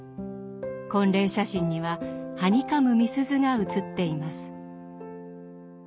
婚礼写真にははにかむみすゞが写っています。